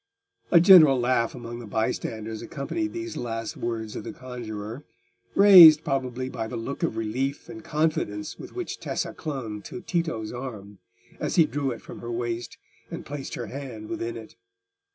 A general laugh among the bystanders accompanied these last words of the conjuror, raised, probably, by the look of relief and confidence with which Tessa clung to Tito's arm, as he drew it from her waist, and placed her hand within it.